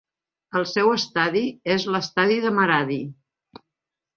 El seu estadi és l'Estadi de Maradi.